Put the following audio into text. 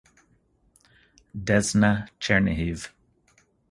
Desna Chernihiv